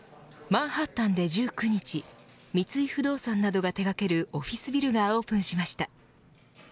マンハッタンで１９日三井不動産などが手掛けるオフィスビルがオープンしました。